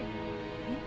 えっ？